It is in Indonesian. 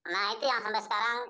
nah itu yang sampai sekarang